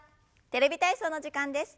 「テレビ体操」の時間です。